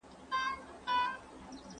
زه پرون درسونه تيار کړي،